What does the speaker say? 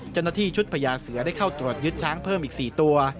เจ้าหน้าที่ชุดพญาเสือได้เข้าตรวจยึดช้างเพิ่มอีก๔ตัว